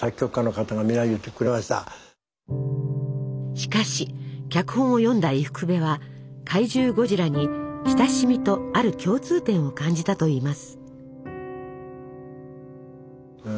しかし脚本を読んだ伊福部は怪獣ゴジラに親しみとある共通点を感じたといいます。